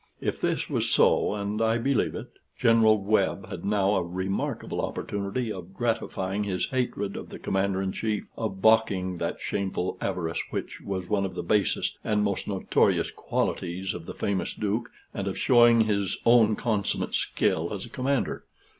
If this was so, and I believe it, General Webb had now a remarkable opportunity of gratifying his hatred of the Commander in Chief, of balking that shameful avarice, which was one of the basest and most notorious qualities of the famous Duke, and of showing his own consummate skill as a commander.